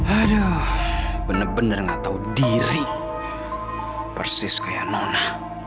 aduh benar benar nggak tahu diri persis kayak nona